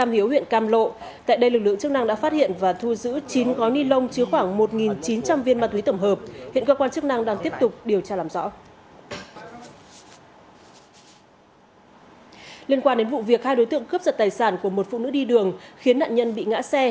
liên quan đến vụ việc hai đối tượng cướp giật tài sản của một phụ nữ đi đường khiến nạn nhân bị ngã xe